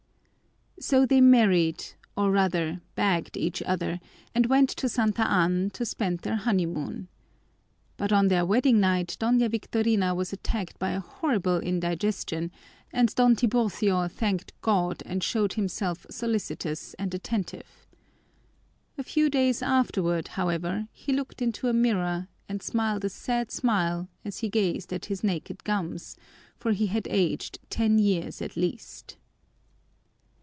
So they married, or rather, bagged each other, and went to Santa Ann to spend their honeymoon. But on their wedding night Doña Victorina was attacked by a horrible indigestion and Don Tiburcio thanked God and showed himself solicitous and attentive. A few days afterward, however, he looked into a mirror and smiled a sad smile as he gazed at his naked gums, for he had aged ten years at least.